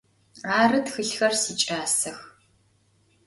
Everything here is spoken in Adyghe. Arı, txılhxer siç'asex.